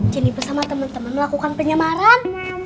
cini bersama temen temen melakukan penyamaran